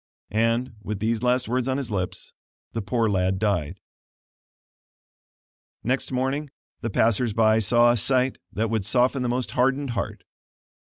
And, with these last words on his lips, the poor lad died. Next morning the passers by saw a sight that would soften the most hardened heart.